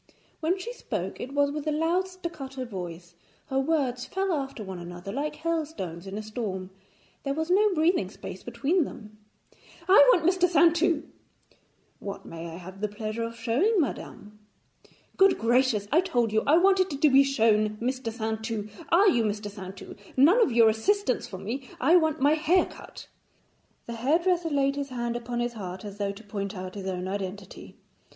When she spoke, it was with a loud staccato voice; her words fell after one another like hailstones in a storm, there was no breathing space between them. 'I want Mr. Saintou.' 'What may I have the pleasure of showing madame?' 'Good gracious, I told you I wanted to be shown Mr. Saintou. Are you Mr. Saintou? None of your assistants for me; I want my hair cut.' The hairdresser laid his hand upon his heart, as though to point out his own identity.